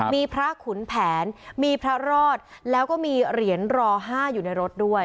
มีพระขุนแผนมีพระรอดแล้วก็มีเหรียญรอ๕อยู่ในรถด้วย